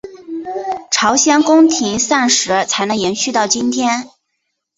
朝鲜宫廷膳食才能延续到今天。